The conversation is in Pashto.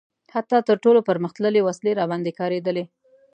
حتی تر ټولو پرمختللې وسلې راباندې کارېدلي.